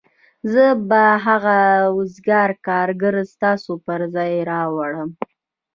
زه به هغه وزګار کارګر ستاسو پر ځای راوړم